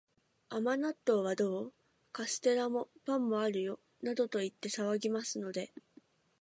甘納豆はどう？カステラも、パンもあるよ、などと言って騒ぎますので、